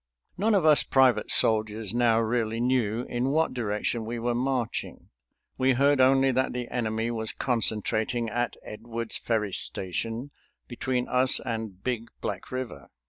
None of us private soldiers now really knew in what direction we were marching. We heard only that the enemy was concentrating at Edwards Ferry Station, between us and Big Black River.